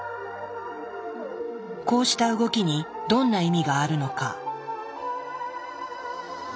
こうした動きにどんな意味があるのか。